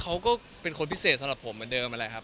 เขาก็เป็นคนพิเศษสำหรับผมเหมือนเดิมนั่นแหละครับ